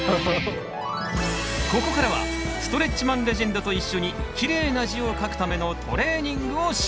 ここからはストレッチマンレジェンドと一緒にきれいな字を書くためのトレーニングをしよう！